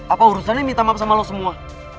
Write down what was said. apa urusannya minta maaf sama lo semua